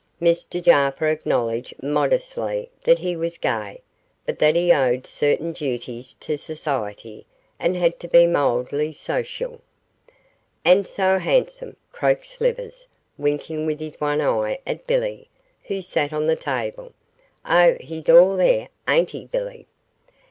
Mr Jarper acknowledged modestly that he was gay, but that he owed certain duties to society, and had to be mildly social. 'And so handsome!' croaked Slivers, winking with his one eye at Billy, who sat on the table. 'Oh, he's all there, ain't he, Billy?